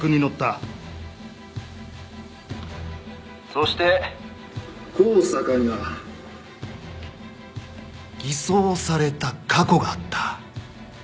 そして香坂には偽装された過去があった。